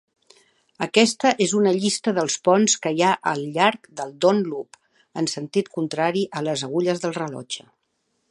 Aquesta és una llista del ponts que hi ha al llarg de Don Loop, en sentit contrari a les agulles del rellotge.